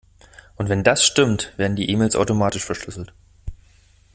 Und wenn das stimmt, werden die E-Mails automatisch verschlüsselt.